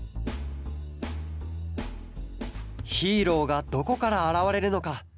ヒーローがどこからあらわれるのか？